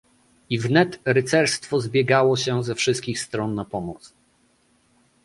"I wnet rycerstwo zbiegało się ze wszystkich stron na pomoc."